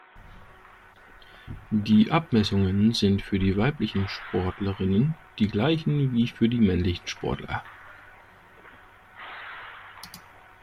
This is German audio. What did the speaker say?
Die Abmessungen sind für die weiblichen Sportlerinnen die gleichen wie für die männlichen Sportler.